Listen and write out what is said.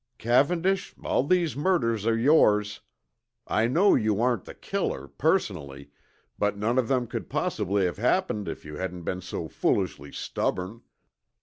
"Cavendish, all these murders are yours. I know you aren't the killer, personally, but none of them could possibly have happened if you hadn't been so foolishly stubborn!